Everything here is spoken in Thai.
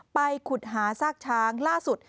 ขุดหาซากช้างล่าสุด